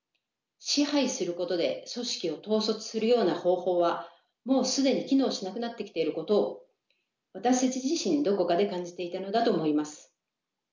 支配することで組織を統率するような方法はもう既に機能しなくなってきていることを私たち自身どこかで感じていたのだと思います。